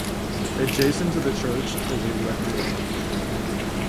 Adjacent to the church is a rectory.